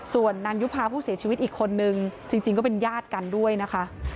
ส่วนนางยุภาผู้เสียชีวิตอีกคนนึงจริงก็เป็นญาติกันด้วยนะคะ